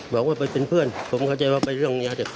บอกว่าไปเป็นเพื่อนผมเข้าใจว่าไปเรียกเรื่องยาแดบศิษย์